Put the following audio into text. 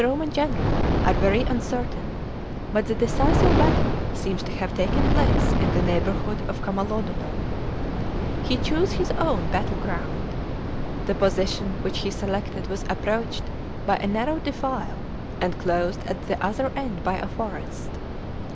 269 movemeuts of the Homau general are very uncertain, but the decisive battle seems to have taken place in the neighbourhood of Camalodunum.* He chose his own battle ground. The position which he selected was approached by a narrow defile, and closed at the other end by a forest.